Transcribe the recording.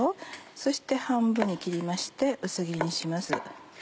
そして半分に切りまして薄切りにします。